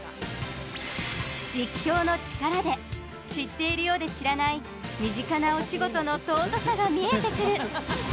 実況の力で知っているようで知らない身近なお仕事の尊さが見えてくる。